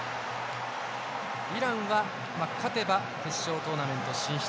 イランは勝てば決勝トーナメント進出。